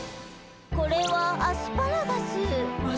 「これはアスパラガス」